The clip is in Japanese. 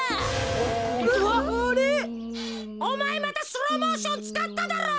おまえまたスローモーションつかっただろう。